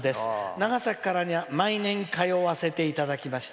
長崎から毎年通わせていただきました。